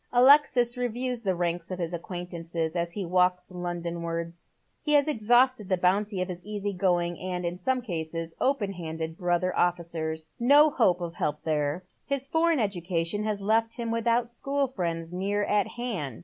Alexis reviews the ranks of his acquaintances as he walks Londonwai'ds. He has exhausted the bounty of his easy going, and, in some cases, open handed brother ofiicers. No hope or help there. His foreign education has left him without school friends near at hand.